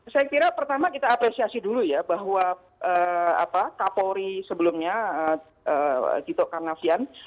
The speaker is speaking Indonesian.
saya kira pertama kita apresiasi dulu ya bahwa kapolri sebelumnya tito karnavian